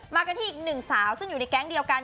กันที่อีกหนึ่งสาวซึ่งอยู่ในแก๊งเดียวกัน